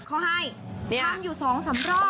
เขาให้ทำอยู่๒๓รอบ